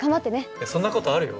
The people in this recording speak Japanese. いやそんな事あるよ。